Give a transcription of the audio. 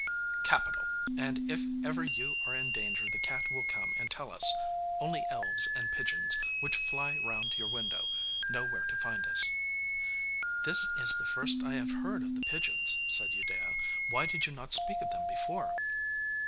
'Capital! and if ever you are in danger the cat will come and tell us only elves and pigeons, which fly round your window, know where to find us.' 'This is the first I have heard of the pigeons,' said Udea. 'Why did you not speak of them before?